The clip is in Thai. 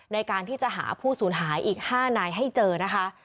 ในการที่จะหาผู้สูญหายอีก๕นายให้เจอนะคะ